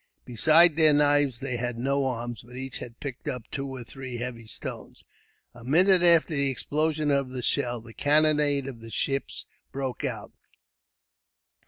Besides their knives they had no arms, but each had picked up two or three heavy stones. A minute after the explosion of the shell, the cannonade of the ships broke out.